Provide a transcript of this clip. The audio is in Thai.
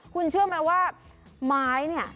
คุณเชื่อไหมว่าไม้เนี่ย